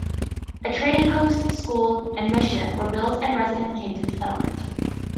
A trading post, school, and mission were built and residents came to the settlement.